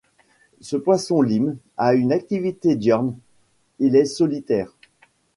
Ce poisson-lime a une activité diurne, il est solitaire.